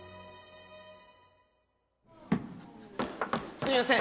すみません！